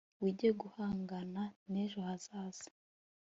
wige guhangana n'ejo hazaza